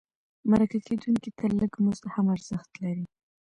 مرکه کېدونکي ته لږ مزد هم ارزښت لري.